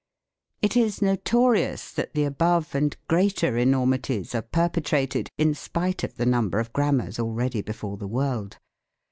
It is notorious that the above and greater enormities are per petrated in spite of the number of Grammars already before the world.